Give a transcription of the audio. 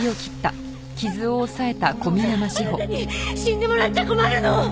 あなたに死んでもらっちゃ困るの！！